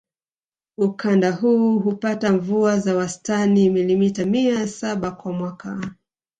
Ukanda huu hupata mvua za wastani milimita mia saba kwa mwaka